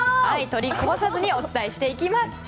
トリこぼさずにお伝えしていきます。